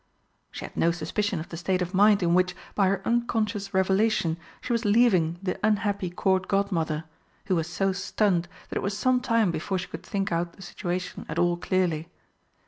She had no suspicion of the state of mind in which, by her unconscious revelation, she was leaving the unhappy Court Godmother, who was so stunned that it was some time before she could think out the situation at all clearly.